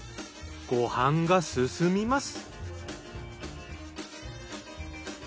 ご飯がすすみます。